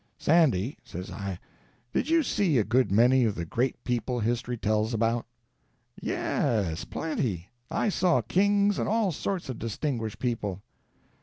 "Sandy," says I, "did you see a good many of the great people history tells about?" "Yes—plenty. I saw kings and all sorts of distinguished people."